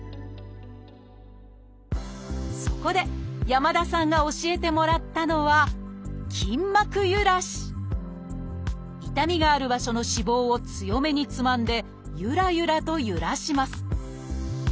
そこで山田さんが教えてもらったのは痛みがある場所の脂肪を強めにつまんでゆらゆらとゆらします。